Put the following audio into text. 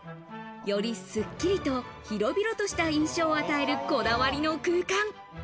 よりスッキリと広々とした印象を与えるこだわりの空間。